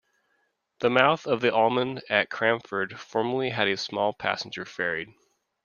The mouth of the Almond at Cramond formerly had a small passenger ferry.